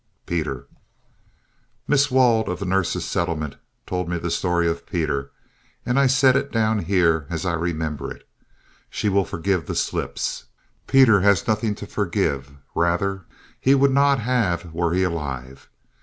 PETER Miss Wald of the Nurses' Settlement told me the story of Peter, and I set it down here as I remember it. She will forgive the slips. Peter has nothing to forgive; rather, he would not have were he alive.